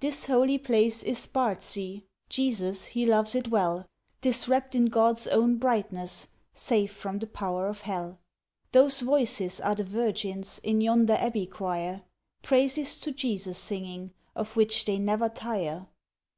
"This Holy Place is Bardsey, Jesus, He loves it well, 'Tis wrapped in God's own brightness, Safe from the power of Hell. Those voices are the Virgins, In yonder Abbey Choir, Praises to Jesus singing, Of which they never tire.